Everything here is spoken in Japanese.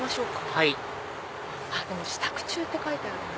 はいでも「仕度中」って書いてある。